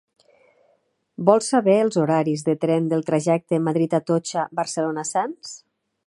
Vol saber els horaris de tren del trajecte Madrid Atocha - Barcelona Sants?